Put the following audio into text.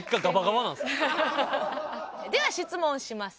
では質問します。